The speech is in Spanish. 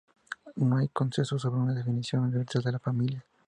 No hay consenso sobre una definición universal de la familia.